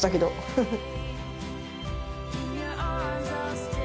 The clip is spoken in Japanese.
フフッ。